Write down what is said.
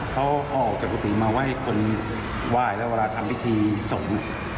เขาออกจากกุฏิมาไหว้คนไหว้แล้วเวลาทำพิธีสงฆ์เนี่ย